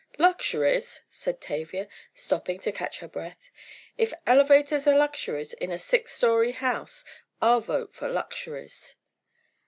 "Luxuries!" said Tavia, stopping to catch her breath, "if elevators are luxuries in a six story house, I'll vote for luxuries!"